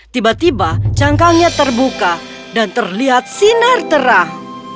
tiba tiba cangkangnya terbuka dan terlihat sinar terang